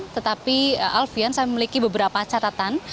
tetapi alfian saya memiliki beberapa catatan